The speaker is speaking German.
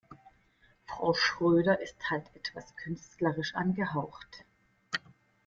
Frau Schröder ist halt etwas künstlerisch angehaucht.